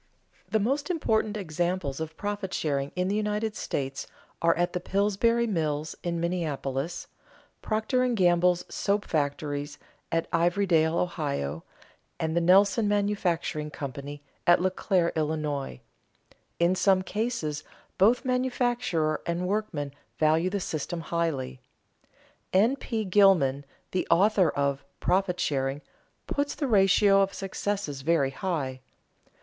The most important examples of profit sharing in the United States are the Pillsbury Mills in Minneapolis, Procter and Gamble's soap factories at Ivorydale, O., and the Nelson Mfg. Co. at Leclaire, Ill. In some cases both manufacturer and workman value the system highly. N. P. Gilman, the author of "Profit Sharing," puts the ratio of successes very high.